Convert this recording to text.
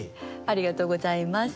ありがとうございます。